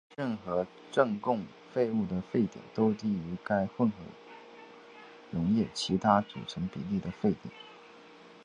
任何正共沸物的沸点都低于该混合溶液其他组成比例的沸点。